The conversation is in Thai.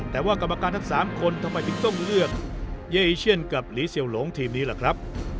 แต่ว่ากรรมการทั้ง๓คนทำไมถึงต้องเลือกเย้อีเชียนกับหลีเซียวหลงทีมนี้ล่ะครับ